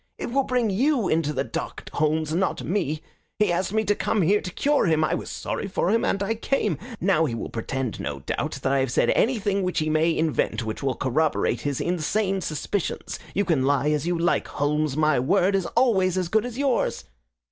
"It will bring YOU into the dock, Holmes, not me. He asked me to come here to cure him. I was sorry for him and I came. Now he will pretend, no doubt, that I have said anything which he may invent which will corroborate his insane suspicions. You can lie as you like, Holmes. My word is always as good as yours."